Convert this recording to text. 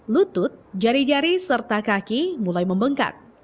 lutut jari jari serta kaki mulai membengkak